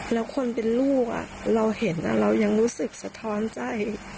แล้วคนเป็นลูกเราเห็นเรายังรู้สึกสะท้อนใจ